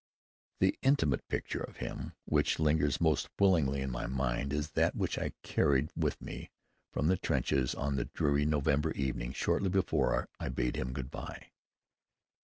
The intimate picture of him which lingers most willingly in my mind is that which I carried with me from the trenches on the dreary November evening shortly before I bade him good bye.